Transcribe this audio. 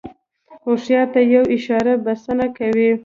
هوښیار ته یوه اشاره بسنه کوي.